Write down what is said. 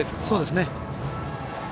そうですね。